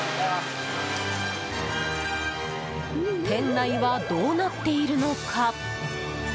店内は、どうなっているのか。